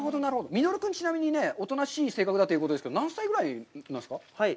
ミノル君はおとなしい性格だということなんですけど、何歳ぐらいなんですか。